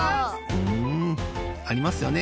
ふんありますよね